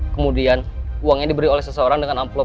kemudian uangnya diberi oleh seseorang dengan amplop